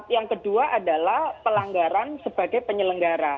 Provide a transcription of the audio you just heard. yang kedua adalah pelanggaran sebagai penyelenggara